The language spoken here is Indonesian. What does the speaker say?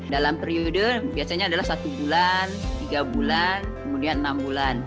dalam periode biasanya adalah satu bulan tiga bulan kemudian enam bulan